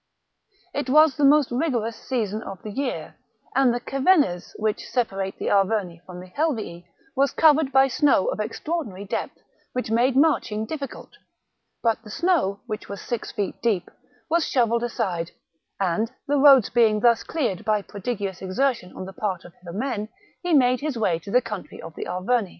It was the most rigorous season of the year, and the Cevennes, which separates the Arverni from the Helvii, was covered by snow of extraordinary depth, which made marching difficult ; but the snow, which was six feet deep, was shovelled aside, and, the roads being thus cleared by prodigious exertion on the part of the men, he made his way to the country of the Arverni.